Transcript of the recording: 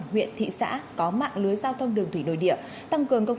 huyện thị xã có mạng lưới giao thông đường thủy nội địa tăng cường công